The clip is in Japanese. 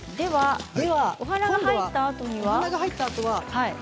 お花が入ったあとは。